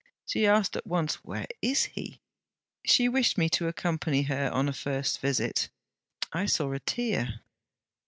She asked at once, Where is he? She wished me to accompany her on a first visit. I saw a tear.'